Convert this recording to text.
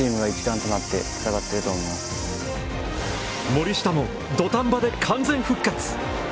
森下も土壇場で完全復活。